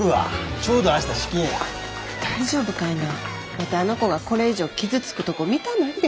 ワテあの子がこれ以上傷つくとこ見たないで。